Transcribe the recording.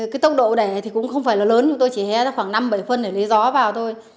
cái tốc độ đẻ thì cũng không phải là lớn chúng tôi chỉ hé ra khoảng năm bảy phân để lấy gió vào thôi